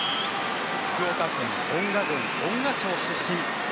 福岡県遠賀郡遠賀町出身。